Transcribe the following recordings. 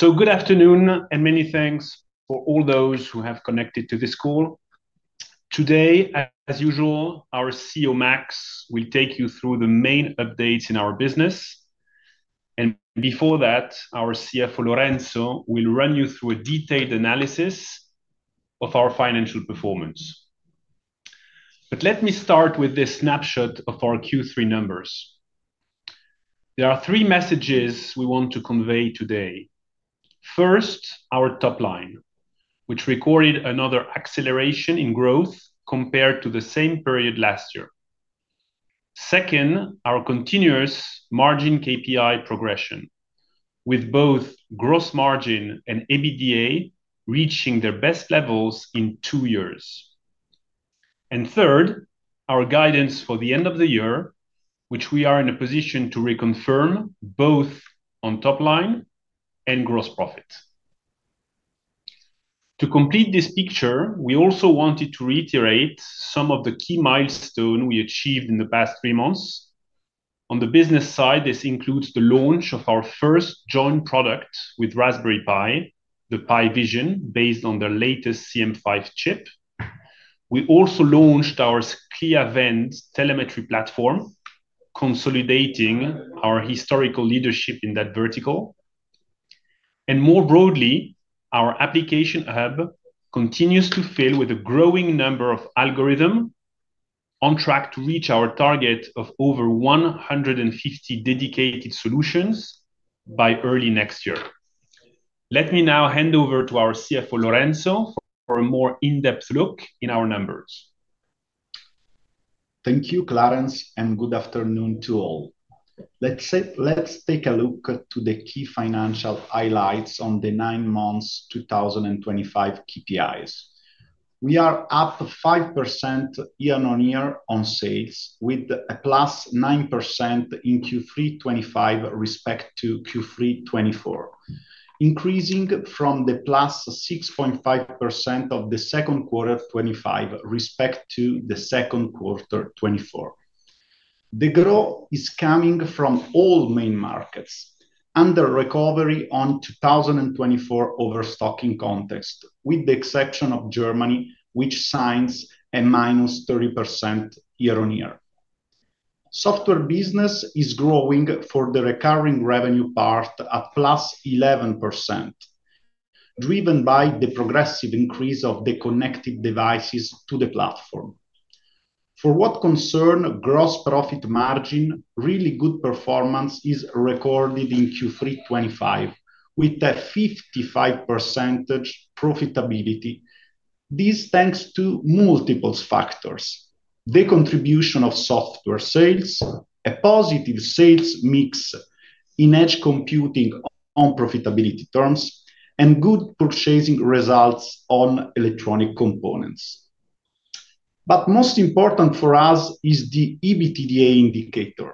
Good afternoon and many thanks for all those who have connected to this call. Today, as usual, our CEO, Max, will take you through the main updates in our business. Before that, our CFO, Lorenzo, will run you through a detailed analysis of our financial performance. Let me start with this snapshot of our Q3 numbers. There are three messages we want to convey today. First, our top line, which recorded another acceleration in growth compared to the same period last year. Second, our continuous margin KPI progression, with both gross margin and EBITDA reaching their best levels in two years. Third, our guidance for the end of the year, which we are in a position to reconfirm both on top line and gross profit. To complete this picture, we also wanted to reiterate some of the key milestones we achieved in the past three months. On the business side, this includes the launch of our first joint product with Raspberry Pi, the Pi Vision, based on the latest CM5 chip. We also launched our Clea Vend telemetry platform, consolidating our historical leadership in that vertical. More broadly, our Application Hub continues to fill with a growing number of algorithms on track to reach our target of over 150 dedicated solutions by early next year. Let me now hand over to our CFO, Lorenzo, for a more in-depth look in our numbers. Thank you, Clarence, and good afternoon to all. Let's take a look at the key financial highlights on the nine months 2025 KPIs. We are up 5% year on year on sales, with a +9% in Q3 2025 respect to Q3 2024, increasing from the +6.5% of the second quarter 2025 respect to the second quarter 2024. The growth is coming from all main markets under recovery on 2024 overstocking context, with the exception of Germany, which signs a -30% year on year. Software business is growing for the recurring revenue part at +11%, driven by the progressive increase of the connected devices to the platform. For what concerns gross profit margin, really good performance is recorded in Q3 2025 with a 55% profitability. This thanks to multiple factors: the contribution of software sales, a positive sales mix in edge computing on profitability terms, and good purchasing results on electronic components. Most important for us is the EBITDA indicator.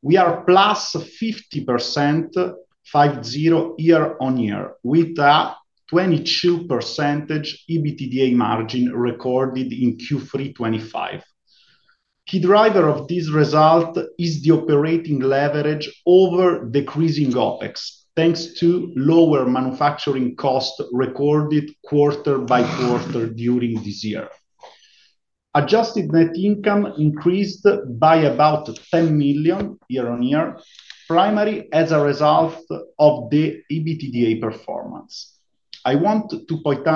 We are +50%, 5% year on year, with a 22% EBITDA margin recorded in Q3 2025. Key driver of this result is the operating leverage over decreasing OpEx, thanks to lower manufacturing costs recorded quarter by quarter during this year. Adjusted net income increased by about 10 million year on year, primarily as a result of the EBITDA performance. I want to point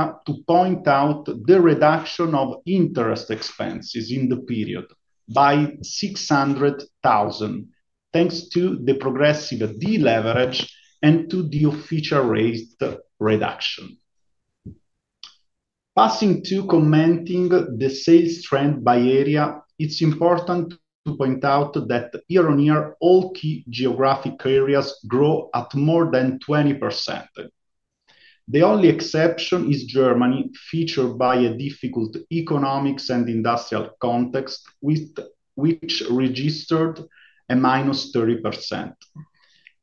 out the reduction of interest expenses in the period by 600,000, thanks to the progressive deleverage and to the official rate reduction. Passing to commenting on the sales trend by area, it's important to point out that year on year, all key geographic areas grow at more than 20%. The only exception is Germany, featured by a difficult economic and industrial context, which registered a -30%.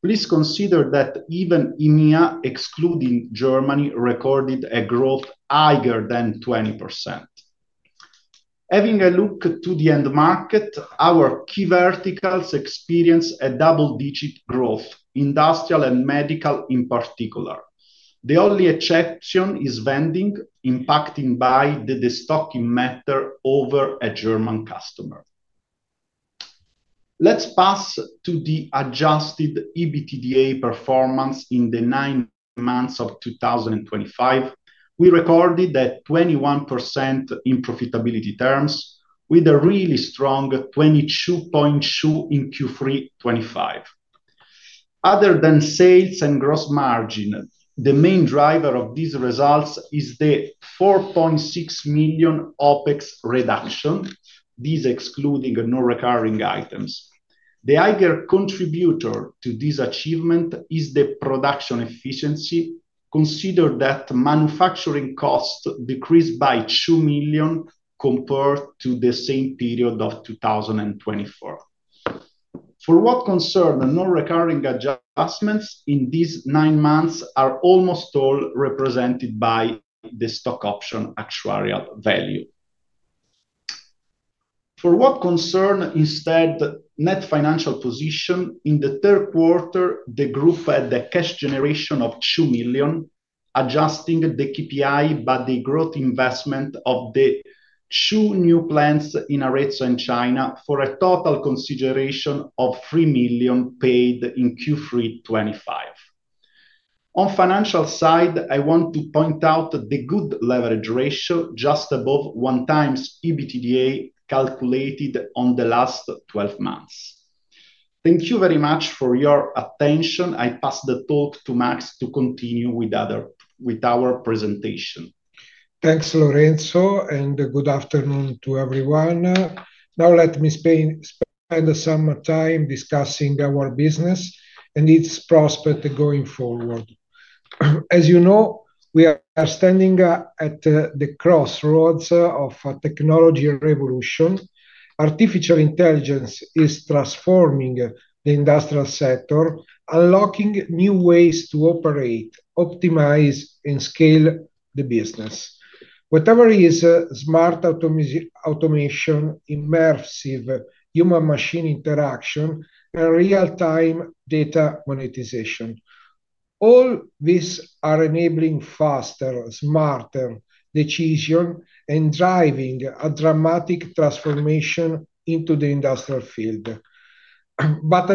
Please consider that even EMEA, excluding Germany, recorded a growth higher than 20%. Having a look to the end market, our key verticals experience a double-digit growth, industrial and medical in particular. The only exception is vending, impacted by the destocking matter over a German customer. Let's pass to the adjusted EBITDA performance in the nine months of 2025. We recorded a 21% in profitability terms, with a really strong 22.2% in Q3 2025. Other than sales and gross margin, the main driver of these results is the 4.6 million OpEx reduction, these excluding non-recurring items. The higher contributor to this achievement is the production efficiency, considered that manufacturing costs decreased by 2 million compared to the same period of 2024. For what concerns non-recurring adjustments in these nine months, almost all are represented by the stock option actuarial value. For what concerns instead net financial position, in the third quarter, the Group had a cash generation of 2 million, adjusting the KPI by the growth investment of the two new plants in Arezzo and China for a total consideration of 3 million paid in Q3 2025. On the financial side, I want to point out the good leverage ratio, just above one times EBITDA calculated on the last 12 months. Thank you very much for your attention. I pass the talk to Max to continue with our presentation. Thanks, Lorenzo, and good afternoon to everyone. Now let me spend some time discussing our business and its prospects going forward. As you know, we are standing at the crossroads of a technology revolution. Artificial intelligence is transforming the industrial sector, unlocking new ways to operate, optimize, and scale the business. Whether it is smart automation, immersive human-machine interaction, or real-time data monetization, all these are enabling faster, smarter decisions and driving a dramatic transformation into the industrial field.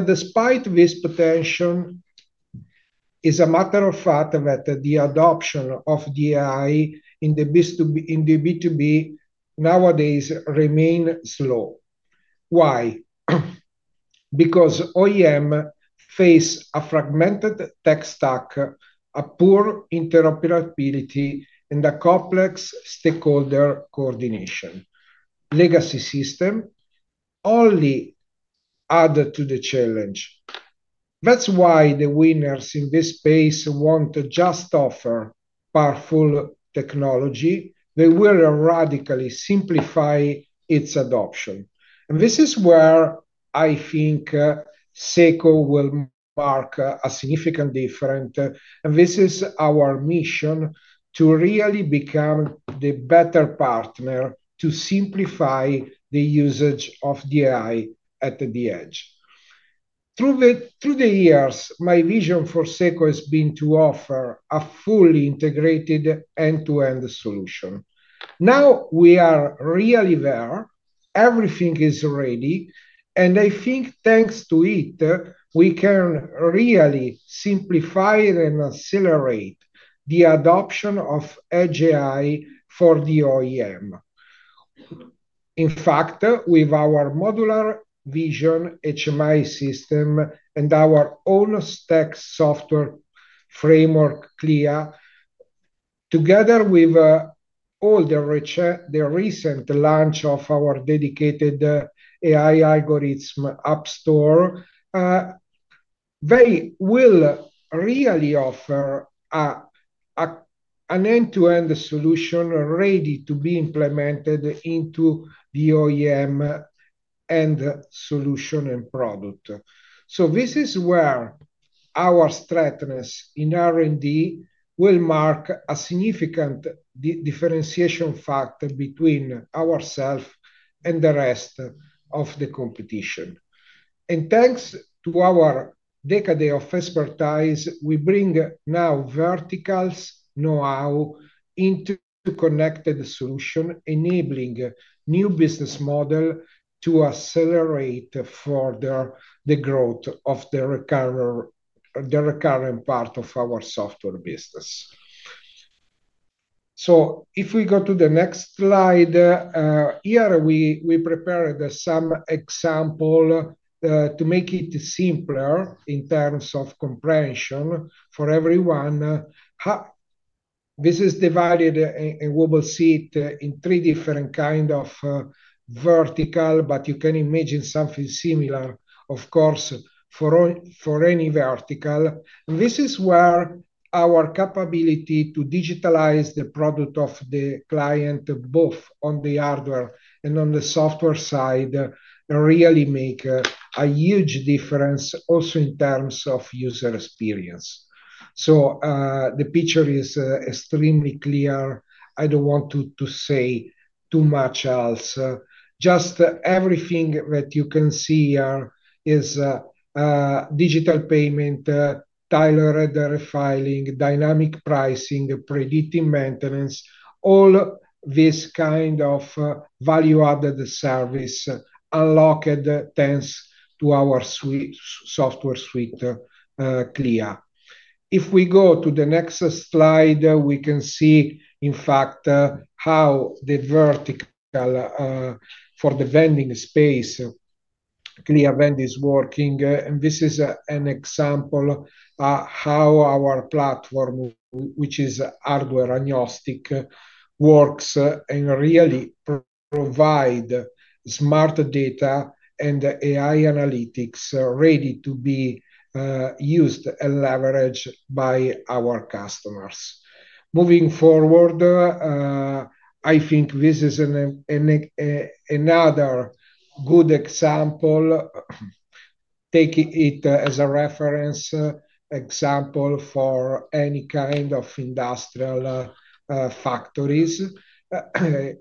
Despite this potential, it is a matter of fact that the adoption of AI in the B2B nowadays remains slow. Why? Because OEMs face a fragmented tech stack, poor interoperability, and complex stakeholder coordination. Legacy systems only add to the challenge. That is why the winners in this space want to just offer powerful technology that will radically simplify its adoption. This is where I think SECO will mark a significant difference. This is our mission to really become the better partner to simplify the usage of the AI at the edge. Through the years, my vision for SECO has been to offer a fully integrated end-to-end solution. Now we are really there. Everything is ready. I think thanks to it, we can really simplify and accelerate the adoption of edge AI for the OEM. In fact, with our modular vision HMI system and our own stack software framework, Clea, together with all the recent launch of our dedicated AI algorithm App Store, they will really offer an end-to-end solution ready to be implemented into the OEM end solution and product. This is where our strength in R&D will mark a significant differentiation factor between ourselves and the rest of the competition. Thanks to our decade of expertise, we bring now verticals' know-how into connected solutions, enabling a new business model to accelerate further the growth of the recurring part of our software business. If we go to the next slide, here we prepared some examples to make it simpler in terms of comprehension for everyone. This is divided and we will see it in three different kinds of verticals, but you can imagine something similar, of course, for any vertical. This is where our capability to digitalize the product of the client, both on the hardware and on the software side, really makes a huge difference also in terms of user experience. The picture is extremely clear. I do not want to say too much else. Just everything that you can see here is digital payment, tailored refiling, dynamic pricing, predicting maintenance, all this kind of value-added service unlocked thanks to our software suite, Clea. If we go to the next slide, we can see, in fact, how the vertical for the vending space, Clea Vend, is working. This is an example of how our platform, which is hardware agnostic, works and really provides smart data and AI analytics ready to be used and leveraged by our customers. Moving forward, I think this is another good example, taking it as a reference example for any kind of industrial factories.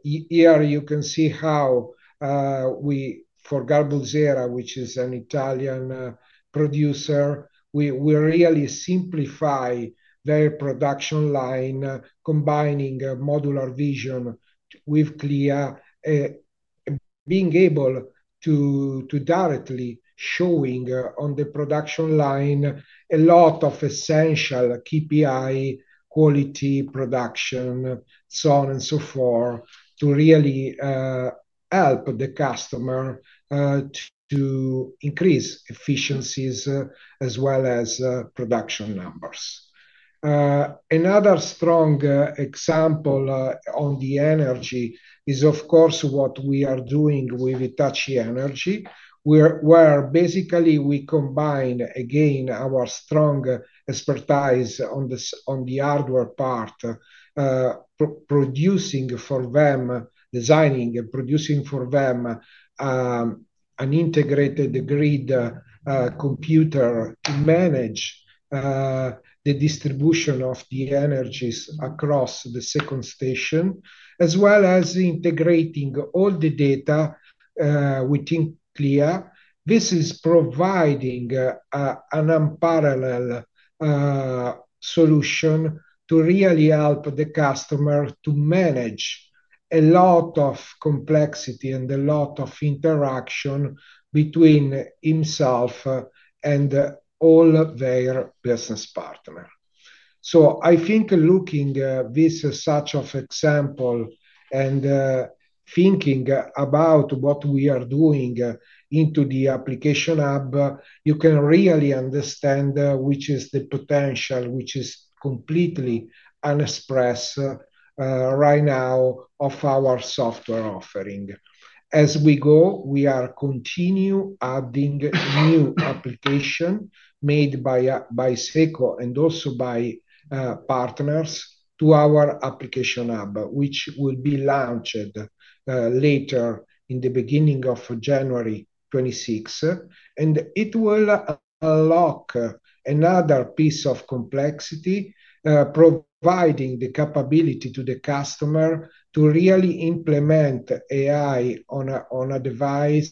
Here you can see how we, for Garbo Zera, which is an Italian producer, we really simplify their production line, combining modular vision with Clea, being able to directly show on the production line a lot of essential KPI, quality, production, so on and so forth, to really help the customer to increase efficiencies as well as production numbers. Another strong example on the energy is, of course, what we are doing with Hitachi Energy, where basically we combine, again, our strong expertise on the hardware part, producing for them, designing and producing for them an integrated grid computer to manage the distribution of the energies across the second station, as well as integrating all the data within Clea. This is providing an unparalleled solution to really help the customer to manage a lot of complexity and a lot of interaction between himself and all their business partners. I think looking at this such an example and thinking about what we are doing into the Application Hub, you can really understand which is the potential, which is completely unexpressed right now of our software offering. As we go, we are continuing adding new applications made by SECO and also by partners to our Application Hub, which will be launched later in the beginning of January 2026. It will unlock another piece of complexity, providing the capability to the customer to really implement AI on a device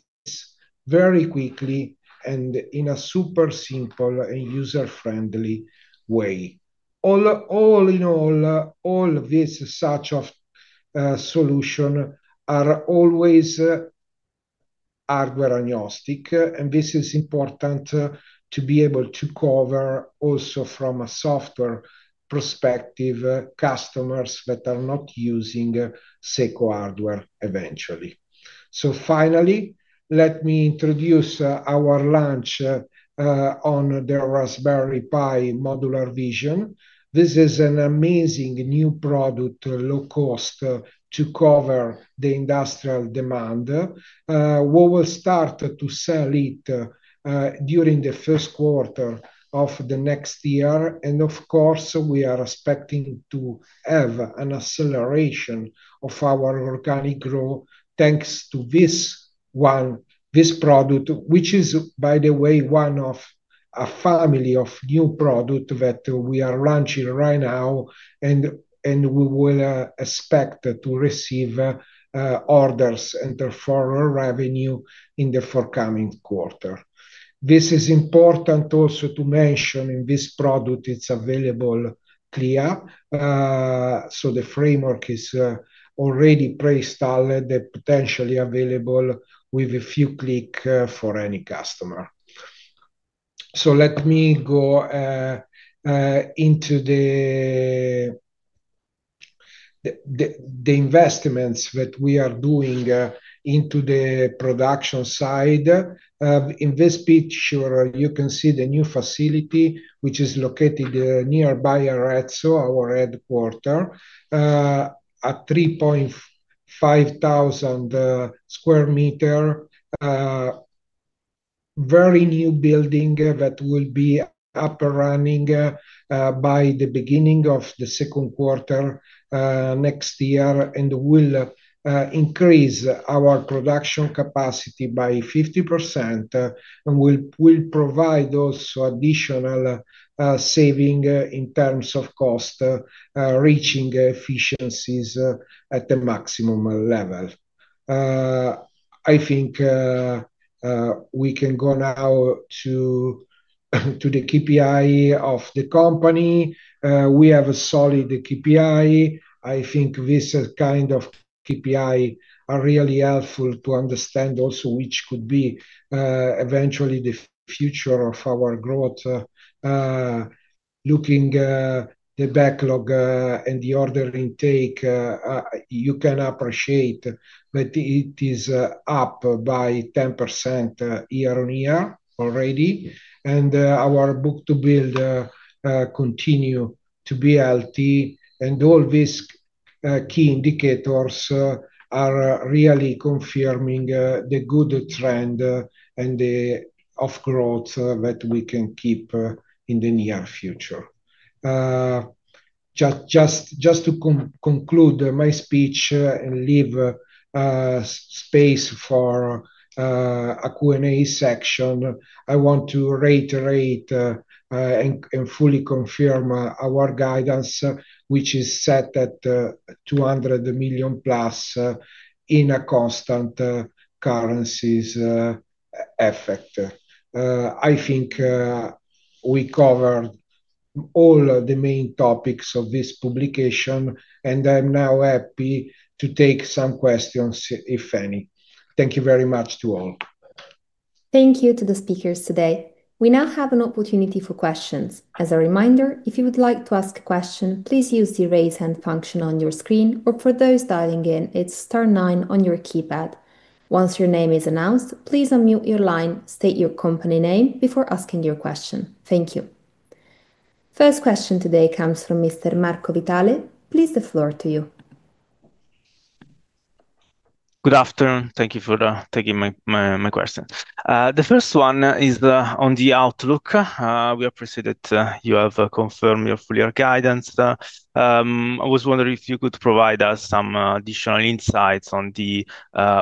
very quickly and in a super simple and user-friendly way. All in all, all of these such solutions are always hardware agnostic. This is important to be able to cover also from a software perspective customers that are not using SECO hardware eventually. Finally, let me introduce our launch on the Raspberry Pi modular vision. This is an amazing new product, low cost to cover the industrial demand. We will start to sell it during the first quarter of the next year. Of course, we are expecting to have an acceleration of our organic growth thanks to this product, which is, by the way, one of a family of new products that we are launching right now. We will expect to receive orders and forward revenue in the forthcoming quarter. This is important also to mention in this product, it's available, Clea. The framework is already pre-installed, potentially available with a few clicks for any customer. Let me go into the investments that we are doing into the production side. In this picture, you can see the new facility, which is located nearby Arezzo, our headquarter, at 3,500 sq m, a very new building that will be up and running by the beginning of the second quarter next year and will increase our production capacity by 50% and will provide also additional savings in terms of cost, reaching efficiencies at the maximum level. I think we can go now to the KPI of the company. We have a solid KPI. I think these kinds of KPIs are really helpful to understand also which could be eventually the future of our growth. Looking at the backlog and the order intake, you can appreciate that it is up by 10% year on year already. Our book-to-bill continues to be healthy. All these key indicators are really confirming the good trend and the growth that we can keep in the near future. Just to conclude my speech and leave space for a Q&A section, I want to reiterate and fully confirm our guidance, which is set at 200+ million in a constant currency effect. I think we covered all the main topics of this publication. I am now happy to take some questions, if any. Thank you very much to all. Thank you to the speakers today. We now have an opportunity for questions. As a reminder, if you would like to ask a question, please use the raise hand function on your screen. For those dialing in, it is star nine on your keypad. Once your name is announced, please unmute your line and state your company name before asking your question. Thank you. First question today comes from Mr. Marco Vitale. Please, the floor to you. Good afternoon. Thank you for taking my question. The first one is on the outlook. We appreciate that you have confirmed your full guidance. I was wondering if you could provide us some additional insights on the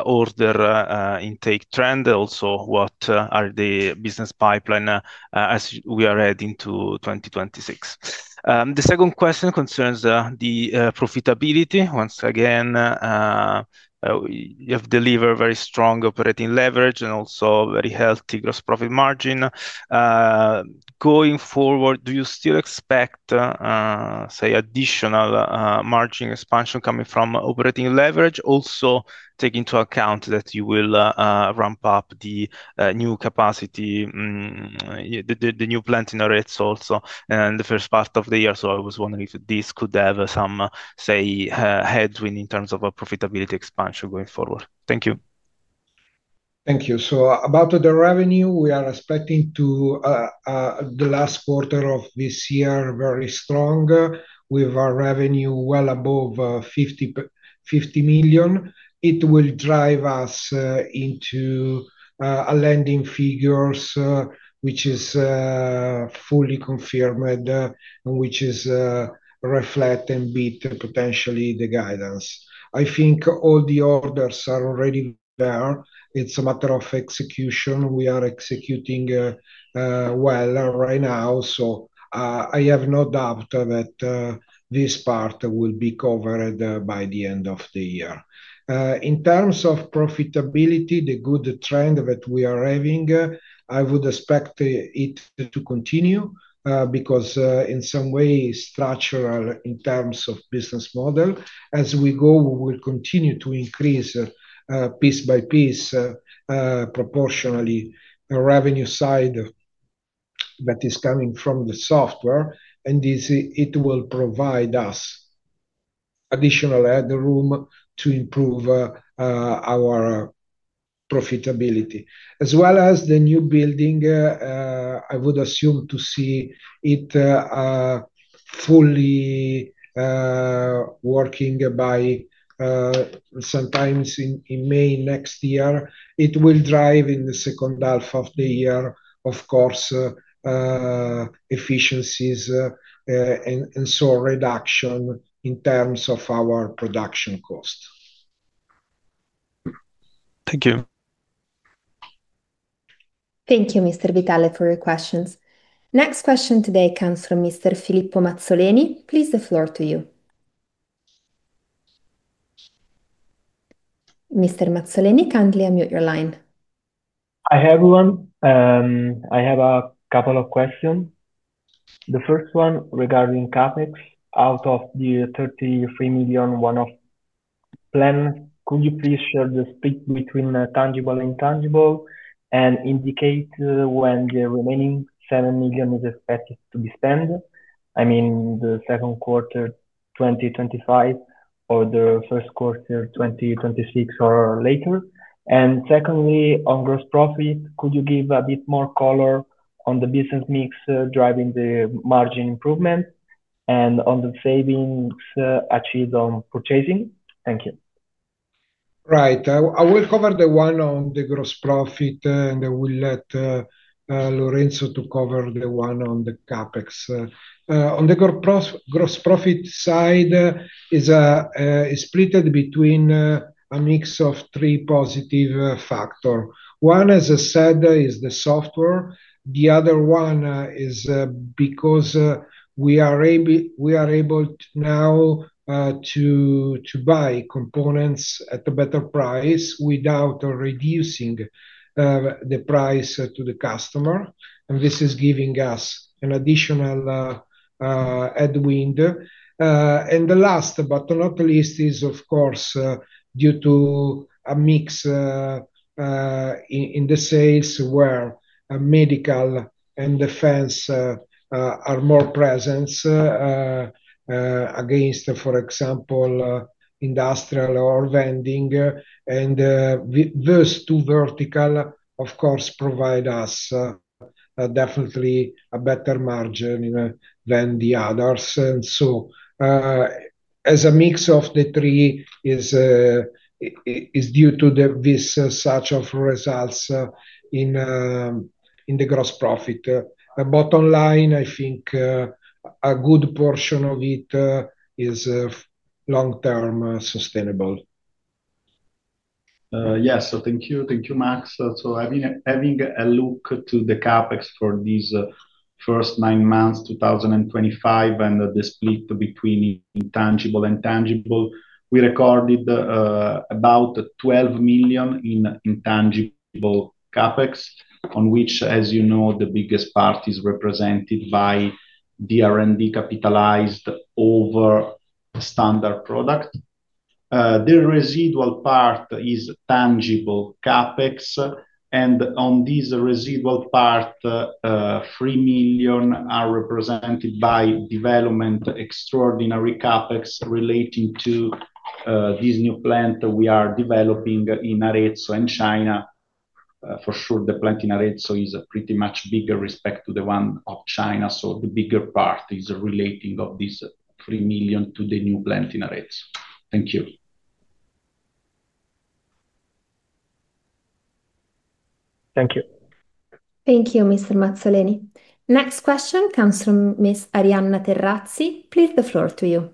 order intake trend. Also, what are the business pipeline as we are heading to 2026? The second question concerns the profitability. Once again, you have delivered very strong operating leverage and also very healthy gross profit margin. Going forward, do you still expect, say, additional margin expansion coming from operating leverage, also taking into account that you will ramp up the new capacity, the new plant in Arezzo also in the first part of the year? I was wondering if this could have some, say, headwind in terms of profitability expansion going forward. Thank you. Thank you. About the revenue, we are expecting the last quarter of this year to be very strong with our revenue well above 50 million. It will drive us into a landing figure which is fully confirmed and which is reflecting and potentially beating the guidance. I think all the orders are already there. It is a matter of execution. We are executing well right now. I have no doubt that this part will be covered by the end of the year. In terms of profitability, the good trend that we are having, I would expect it to continue because it is in some way structural in terms of business model. As we go, we will continue to increase piece by piece proportionally the revenue side that is coming from the software, and it will provide us additional headroom to improve our profitability. As well as the new building, I would assume to see it fully working by sometime in May next year. It will drive in the second half of the year, of course, efficiencies and so reduction in terms of our production cost. Thank you. Thank you, Mr. Vitale, for your questions. Next question today comes from Mr. Filippo Mazzoleni. Please, the floor to you. Mr. Mazzoleni, kindly unmute your line. I have one. I have a couple of questions. The first one regarding CapEx out of the 33 million one-off plan. Could you please share the split between tangible and intangible and indicate when the remaining 7 million is expected to be spent? I mean, the second quarter 2025 or the first quarter 2026 or later. Secondly, on gross profit, could you give a bit more color on the business mix driving the margin improvement and on the savings achieved on purchasing? Thank you. Right. I will cover the one on the gross profit, and I will let Lorenzo cover the one on the CapEx. On the gross profit side, it's split between a mix of three positive factors. One, as I said, is the software. The other one is because we are able now to buy components at a better price without reducing the price to the customer. This is giving us an additional headwind. The last, but not the least, is, of course, due to a mix in the sales where medical and defense are more present against, for example, industrial or vending. Those two verticals, of course, provide us definitely a better margin than the others. As a mix of the three, it is due to this such of results in the gross profit. Bottom line, I think a good portion of it is long-term sustainable. Yes. Thank you. Thank you, Max. Having a look to the CapEx for these first nine months, 2025, and the split between intangible and tangible, we recorded about 12 million in intangible CapEx, on which, as you know, the biggest part is represented by the R&D capitalized over standard product. The residual part is tangible CapEx. On this residual part, 3 million are represented by development extraordinary CapEx relating to this new plant we are developing in Arezzo and China. For sure, the plant in Arezzo is pretty much bigger with respect to the one in China. The bigger part is relating of this 3 million to the new plant in Arezzo. Thank you. Thank you. Thank you, Mr. Mazzoleni. Next question comes from Ms. Arianna Terrazzi. Please, the floor to you.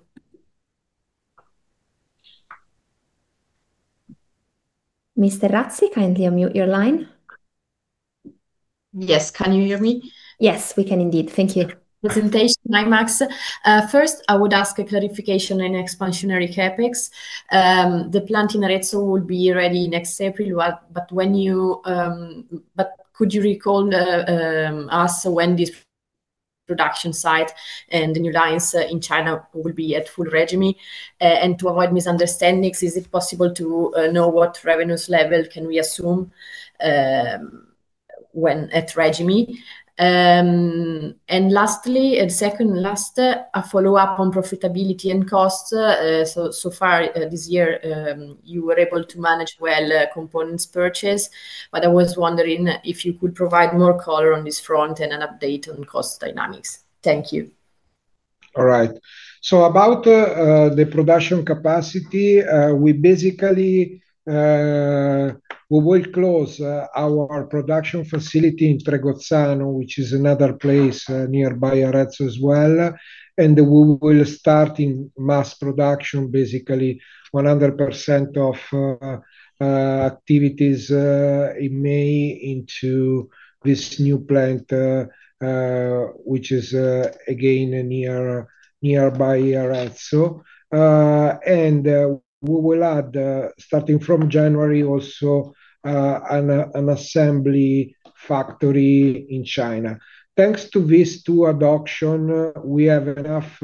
Ms. Terrazzi, kindly unmute your line. Yes. Can you hear me? Yes, we can indeed. Thank you. Presentation time, Max. First, I would ask a clarification on expansionary CapEx. The plant in Arezzo will be ready next April. Could you recall us when this production site and the new lines in China will be at full regime? To avoid misunderstandings, is it possible to know what revenues level can we assume when at regime? Lastly, and second, last, a follow-up on profitability and costs. So far, this year, you were able to manage well components purchase. I was wondering if you could provide more color on this front and an update on cost dynamics. Thank you. All right. So about the production capacity, we basically will close our production facility in Tregozzano, which is another place nearby Arezzo as well. We will start in mass production, basically 100% of activities in May into this new plant, which is again nearby Arezzo. We will add, starting from January, also an assembly factory in China. Thanks to these two adoptions, we have enough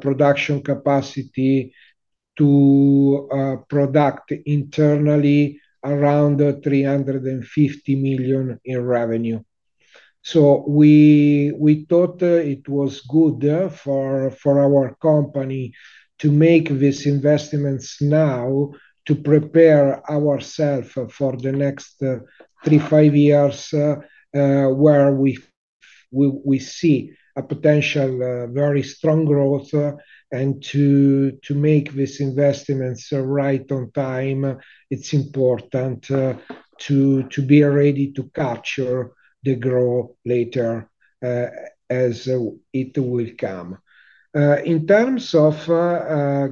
production capacity to produce internally around 350 million in revenue. We thought it was good for our company to make these investments now to prepare ourselves for the next three to five years where we see a potential very strong growth. To make these investments right on time, it is important to be ready to capture the growth later as it will come. In terms of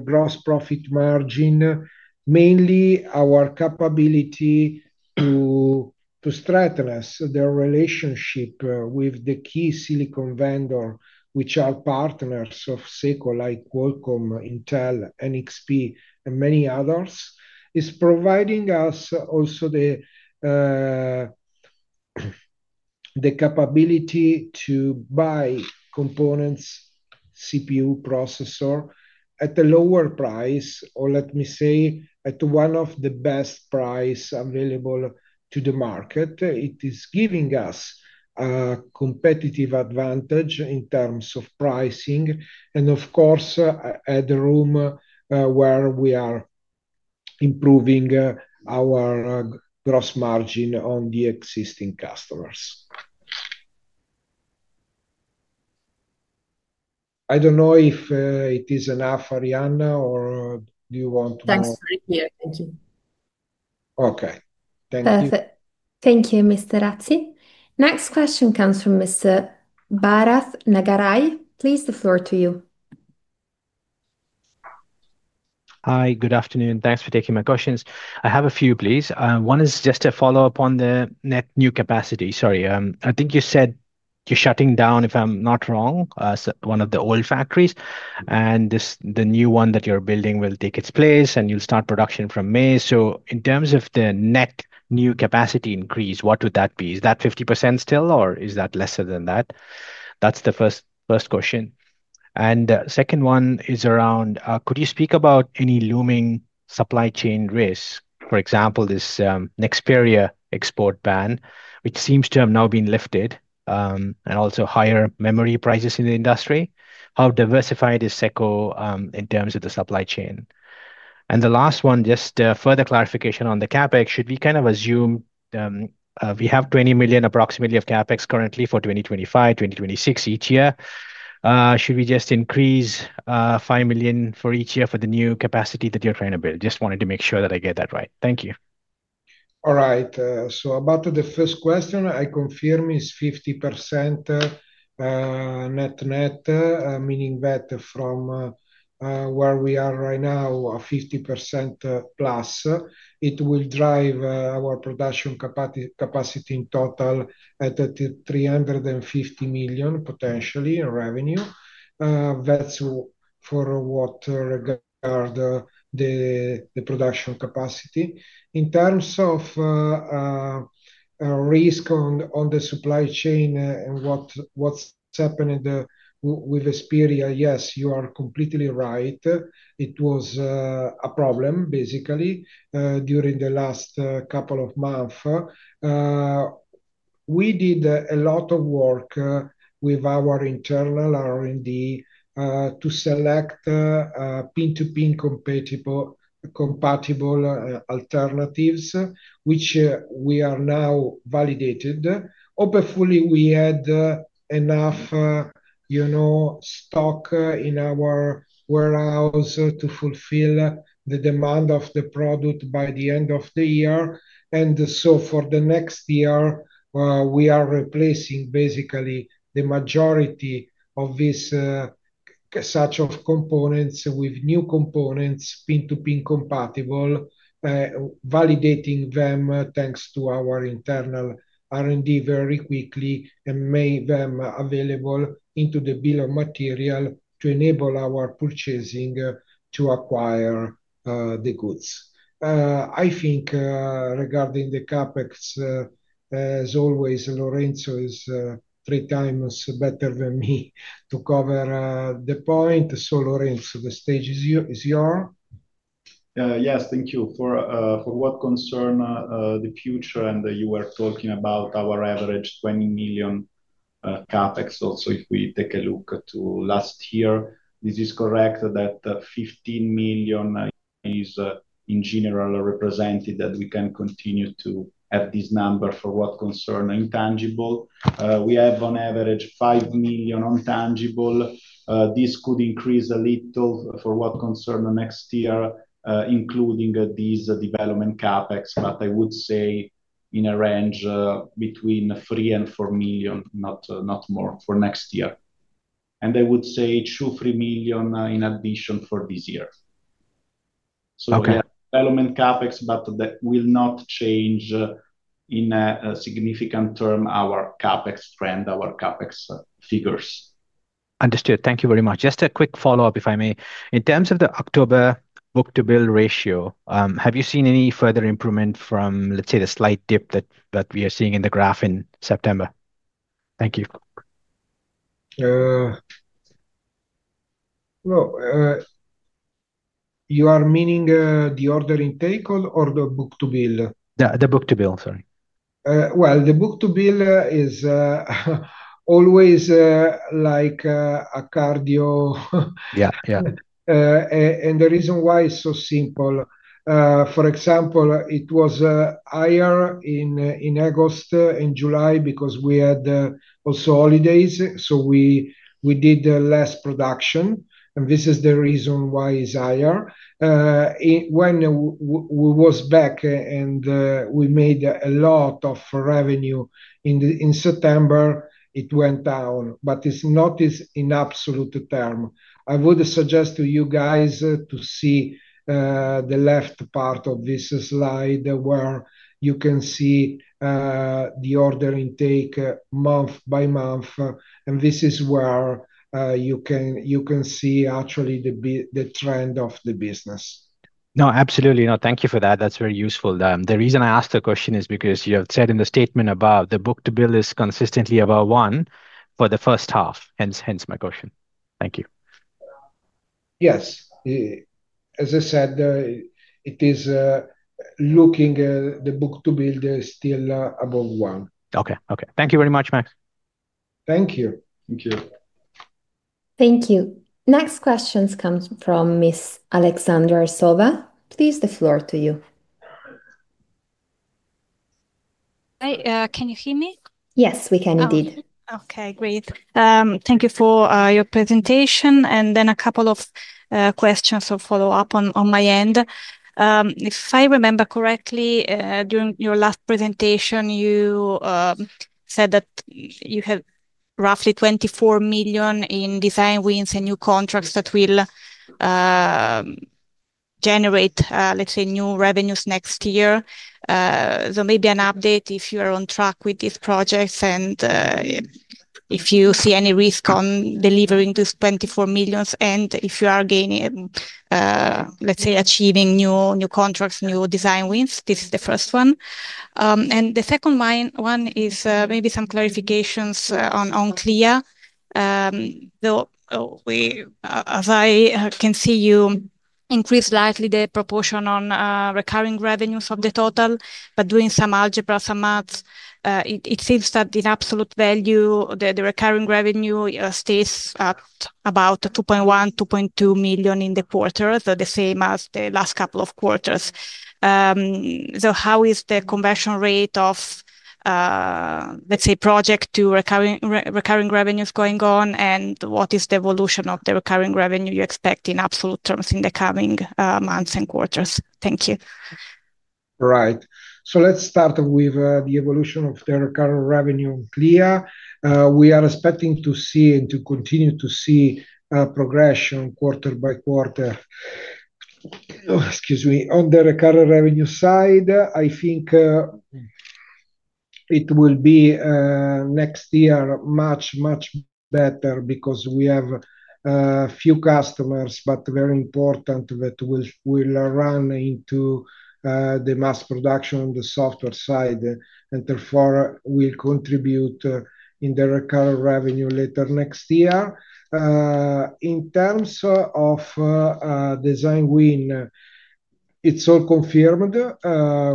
gross profit margin, mainly our capability to strengthen the relationship with the key silicon vendors, which are partners of SECO like Qualcomm, Intel, NXP, and many others, is providing us also the capability to buy components, CPU, processors at a lower price, or let me say, at one of the best prices available to the market. It is giving us a competitive advantage in terms of pricing. Of course, headroom where we are improving our gross margin on the existing customers. I don't know if it is enough, Arianna, or do you want to know? That's great here. Thank you. Okay. Thank you. Perfect. Thank you, Ms. Terrazzi. Next question comes from Mr. Bharath Nagaraj. Please, the floor to you. Hi. Good afternoon. Thanks for taking my questions. I have a few, please. One is just a follow-up on the net new capacity. Sorry. I think you said you're shutting down, if I'm not wrong, one of the old factories. The new one that you're building will take its place, and you'll start production from May. In terms of the net new capacity increase, what would that be? Is that 50% still, or is that lesser than that? That's the first question. The second one is around, could you speak about any looming supply chain risks? For example, this Nexperia export ban, which seems to have now been lifted, and also higher memory prices in the industry. How diversified is SECO in terms of the supply chain? The last one, just further clarification on the CapEx. Should we kind of assume we have 20 million approximately of CapEx currently for 2025, 2026 each year? Should we just increase 5 million for each year for the new capacity that you're trying to build? Just wanted to make sure that I get that right. Thank you. All right. About the first question, I confirm it's 50% net net, meaning that from where we are right now, 50%+, it will drive our production capacity in total at 350 million potentially in revenue. That's for what regard the production capacity. In terms of risk on the supply chain and what's happened with Nexperia, yes, you are completely right. It was a problem, basically, during the last couple of months. We did a lot of work with our internal R&D to select pin-to-pin compatible alternatives, which we are now validated. Hopefully, we had enough stock in our warehouse to fulfill the demand of the product by the end of the year. For the next year, we are replacing basically the majority of these such components with new components, pin-to-pin compatible, validating them thanks to our internal R&D very quickly, and made them available into the bill of material to enable our purchasing to acquire the goods. I think regarding the CapEx, as always, Lorenzo is three times better than me to cover the point. Lorenzo, the stage is yours. Yes. Thank you. For what concerns the future, and you were talking about our average 20 million CapEx. Also, if we take a look to last year, this is correct that 15 million is in general represented that we can continue to have this number for what concerns intangible. We have on average 5 million on tangible. This could increase a little for what concerns next year, including these development CapEx. I would say in a range between 3 million and 4 million, not more for next year. I would say 2 million-3 million in addition for this year. We have development CapEx, but that will not change in a significant term our CapEx trend, our CapEx figures. Understood. Thank you very much. Just a quick follow-up, if I may. In terms of the October book-to-bill ratio, have you seen any further improvement from, let's say, the slight dip that we are seeing in the graph in September? Thank you. Are you meaning the order intake or the book-to-bill? The book-to-bill, sorry. The book-to-bill is always like a cardio. Yeah. Yeah. The reason why it's so simple, for example, it was higher in August and July because we had also holidays. We did less production. This is the reason why it's higher. When we were back and we made a lot of revenue in September, it went down. It's not in absolute term. I would suggest to you guys to see the left part of this slide where you can see the order intake month by month. This is where you can see actually the trend of the business. No, absolutely not. Thank you for that. That's very useful. The reason I asked the question is because you have said in the statement above the book-to-bill is consistently about 1 for the first half. Hence my question. Thank you. Yes. As I said, it is looking the book-to-bill is still above 1. Okay. Okay. Thank you very much, Max. Thank you. Thank you. Thank you. Next questions come from Ms. Aleksandra Arsova. Please, the floor to you. Can you hear me? Yes, we can indeed. Okay. Great. Thank you for your presentation. A couple of questions or follow-up on my end. If I remember correctly, during your last presentation, you said that you have roughly 24 million in design wins and new contracts that will generate, let's say, new revenues next year. Maybe an update if you are on track with these projects and if you see any risk on delivering this 24 million and if you are gaining, let's say, achieving new contracts, new design wins. This is the first one. The second one is maybe some clarifications on Clea. As I can see, you increased slightly the proportion on recurring revenues of the total. Doing some algebra, some maths, it seems that in absolute value, the recurring revenue stays at about 2.1 million-2.2 million in the quarter, so the same as the last couple of quarters. How is the conversion rate of, let's say, project to recurring revenues going on? What is the evolution of the recurring revenue you expect in absolute terms in the coming months and quarters? Thank you. All right. Let's start with the evolution of the recurring revenue in Clea. We are expecting to see and to continue to see progression quarter by quarter. Excuse me. On the recurring revenue side, I think it will be next year much, much better because we have a few customers, but very important, that will run into the mass production on the software side. Therefore, will contribute in the recurring revenue later next year. In terms of design win, it's all confirmed.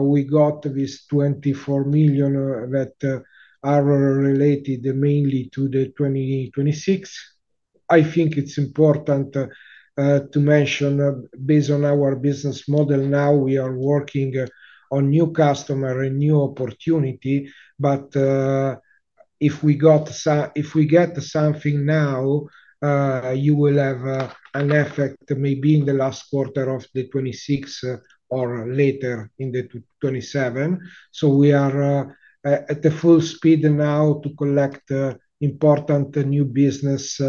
We got this 24 million that are related mainly to 2026. I think it's important to mention based on our business model now, we are working on new customer and new opportunity. If we get something now, you will have an effect maybe in the last quarter of 2026 or later in 2027. We are at full speed now to collect important new business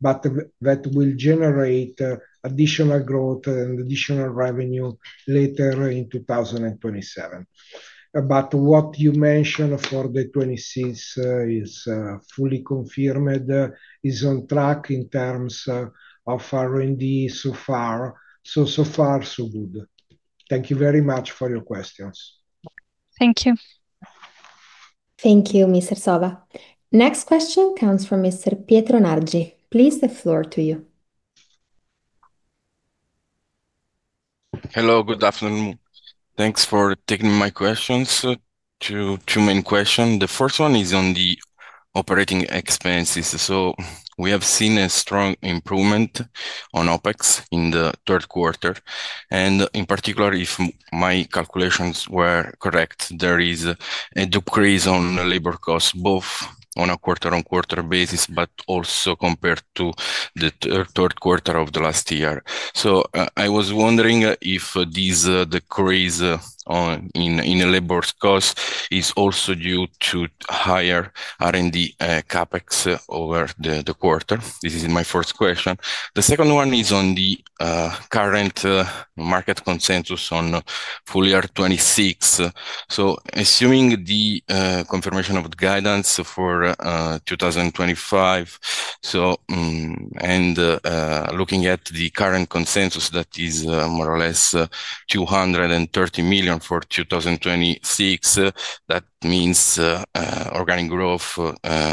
that will generate additional growth and additional revenue later in 2027. What you mentioned for 2026 is fully confirmed, is on track in terms of R&D so far. So far, so good. Thank you very much for your questions. Thank you. Thank you, Ms. Arsova. Next question comes from Mr. Pietro Nargi. Please, the floor to you. Hello. Good afternoon. Thanks for taking my questions. Two main questions. The first one is on the operating expenses. We have seen a strong improvement on OpEx in the third quarter. In particular, if my calculations were correct, there is a decrease on labor costs, both on a quarter-on-quarter basis, but also compared to the third quarter of last year. I was wondering if this decrease in labor costs is also due to higher R&D CapEx over the quarter? This is my first question. The second one is on the current market consensus on fully R26. Assuming the confirmation of the guidance for 2025, and looking at the current consensus that is more or less 230 million for 2026, that means organic growth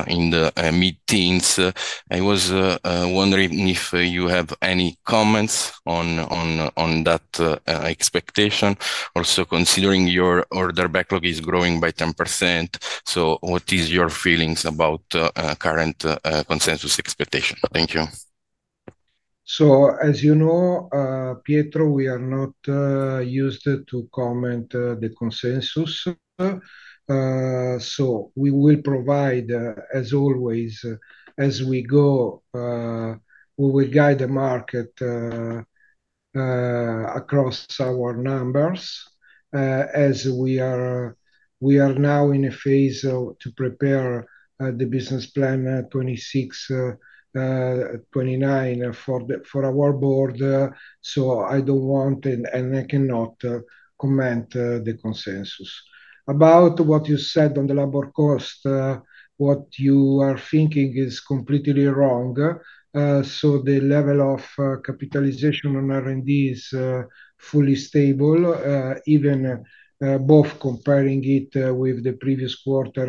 in the mid-teens. I was wondering if you have any comments on that expectation. Also, considering your order backlog is growing by 10%, what is your feelings about current consensus expectation? Thank you. As you know, Pietro, we are not used to comment on the consensus. We will provide, as always, as we go, we will guide the market across our numbers as we are now in a phase to prepare the business plan 2026-2029 for our board. I do not want and I cannot comment on the consensus. About what you said on the labor cost, what you are thinking is completely wrong. The level of capitalization on R&D is fully stable, even both comparing it with the previous quarter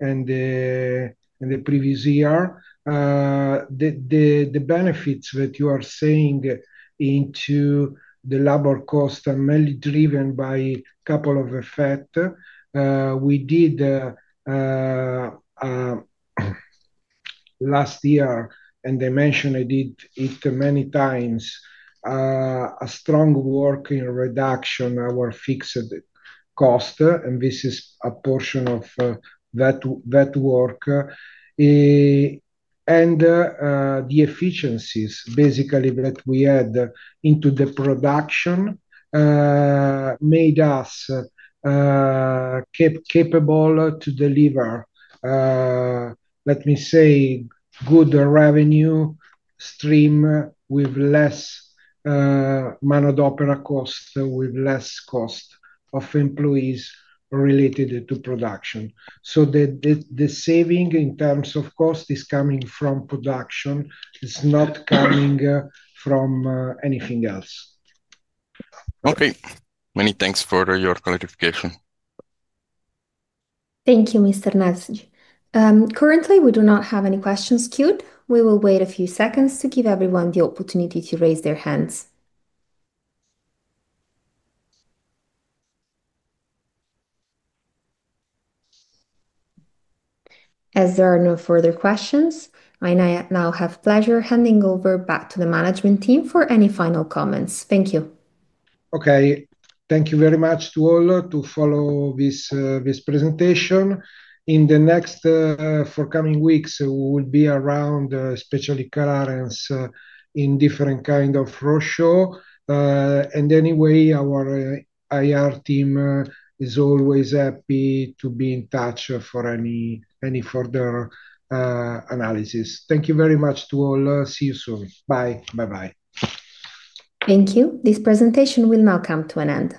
and the previous year. The benefits that you are saying into the labor cost are mainly driven by a couple of effects. We did last year, and I mentioned I did it many times, a strong work in reduction of our fixed cost. This is a portion of that work. The efficiencies, basically, that we had into the production made us capable to deliver, let me say, good revenue stream with less man-at-opera cost, with less cost of employees related to production. The saving in terms of cost is coming from production. It's not coming from anything else. Okay. Many thanks for your clarification. Thank you, Mr. Nargi. Currently, we do not have any questions queued. We will wait a few seconds to give everyone the opportunity to raise their hands. As there are no further questions, I now have the pleasure of handing over back to the management team for any final comments. Thank you. Okay. Thank you very much to all to follow this presentation. In the next forecoming weeks, we will be around, especially Clarence, in different kinds of roadshow. Anyway, our IR team is always happy to be in touch for any further analysis. Thank you very much to all. See you soon. Bye. Bye-bye. Thank you. This presentation will now come to an end.